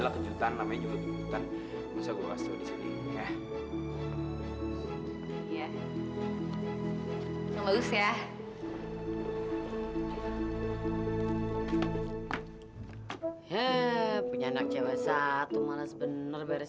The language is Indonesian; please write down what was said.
maksud aku yang mana orangnya aku tuh penasaran